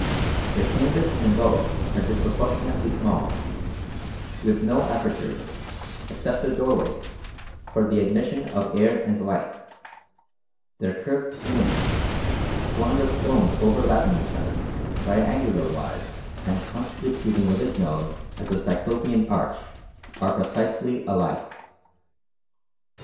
The chambers in both are disproportionately small, with no apertures, except the doorways, for the admission of air and light; their curved ceilings, formed of stones overlapping each other, triangular wise and constituting what is known as the cyclopean arch, are precisely alike."